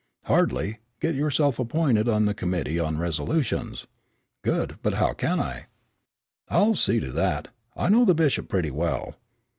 "Hardly. Get yourself appointed on the committee on resolutions." "Good, but how can I?" "I'll see to that; I know the bishop pretty well.